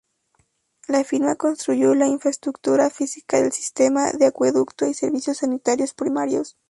La firma construyó la infraestructura física del sistema de acueducto y servicios sanitarios primarios.